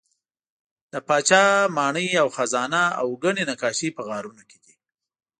د پاچا ماڼۍ او خزانه او ګڼې نقاشۍ په غارونو کې دي.